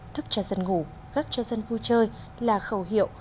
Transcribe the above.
thức cho dân ngủ gác cho dân vui chơi là khẩu hiệu